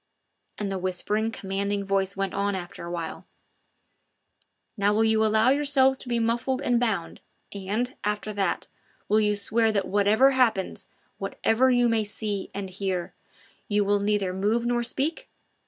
And the whispering, commanding voice went on after awhile: "Now will you allow yourselves to be muffled and bound, and, after that, will you swear that whatever happens, whatever you may see or hear, you will neither move nor speak?